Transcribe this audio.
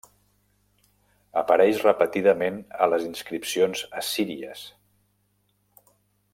Apareix repetidament a les inscripcions assíries.